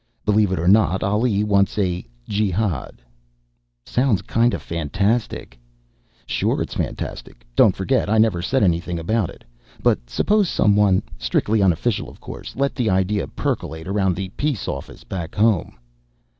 "Believe it or not, Ali wants a jehad." "Sounds kinda fantastic." "Sure it's fantastic. Don't forget, I never said anything about it. But suppose someone strictly unofficial, of course let the idea percolate around the Peace Office back home."